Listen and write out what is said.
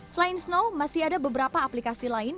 selain snow masih ada beberapa aplikasi lain